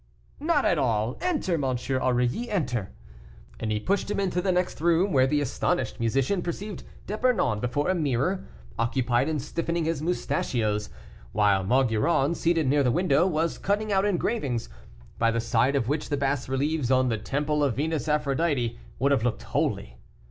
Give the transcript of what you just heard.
"Not at all; enter, M. Aurilly, enter." And he pushed him into the next room, where the astonished musician perceived D'Epernon before a mirror, occupied in stiffening his mustachios, while Maugiron, seated near the window, was cutting out engravings, by the side of which the bas reliefs on the temple of Venus Aphrodite would have looked holy.